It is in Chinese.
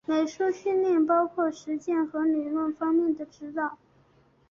美术训练包括实践和理论方面的指导。